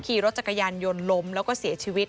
ขี่รถจักรยานยนต์ล้มแล้วก็เสียชีวิต